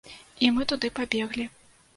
І мы туды пабеглі.